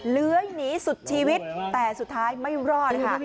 เลื้อยหนีสุดชีวิตแต่สุดท้ายไม่รอดเลยค่ะ